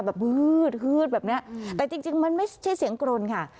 แบบมืดแบบเนี้ยแต่จริงมันไม่ใช่เสียงกรนค่ะ